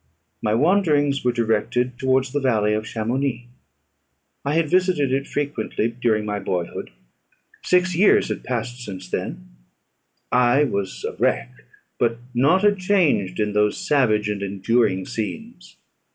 My wanderings were directed towards the valley of Chamounix. I had visited it frequently during my boyhood. Six years had passed since then: I was a wreck but nought had changed in those savage and enduring scenes.